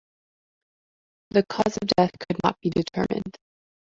The cause of death could not be determined.